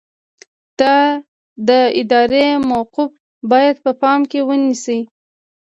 د ادارې موقف باید په پام کې ونیسئ.